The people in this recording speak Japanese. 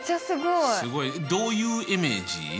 すごい。どういうイメージ？